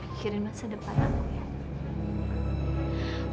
mikirin masa depan aku ya